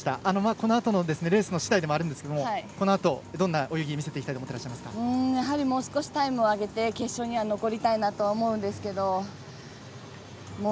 このあとのレースしだいでもあるんですけれどもこのあと、どんな泳ぎ見せていきたいともう少しタイムを上げて決勝には残りたいなと思うんですけど。